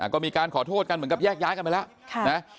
ก็มีการขอโทษกันเหมือนกับแยกย้ายกันไปแล้วนะ